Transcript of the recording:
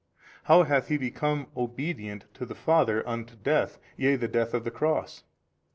how hath He become obedient to the Father unto death yea the death of the cross?